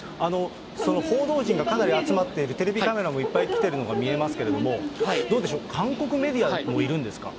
その報道陣がかなり集まっている、テレビカメラもいっぱい来ているのが見えますけれども、どうでしょう、韓国メディアもいるんですか？